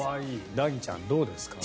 凪ちゃん、どうですか？